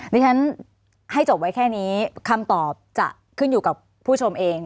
ดิฉันให้จบไว้แค่นี้คำตอบจะขึ้นอยู่กับผู้ชมเอง